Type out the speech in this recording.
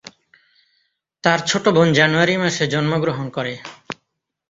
তার ছোট বোন জানুয়ারি মাসে জন্মগ্রহণ করে।